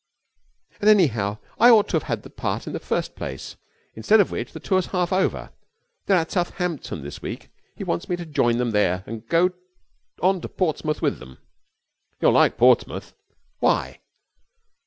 'And anyhow, I ought to have had the part in the first place instead of when the tour's half over. They are at Southampton this week. He wants me to join them there and go on to Portsmouth with them.' 'You'll like Portsmouth.' 'Why?'